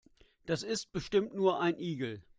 Das ist bestimmt nur ein Igel.